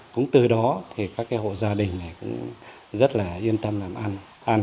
cũng từ đó các hộ gia đình rất yên tâm làm ăn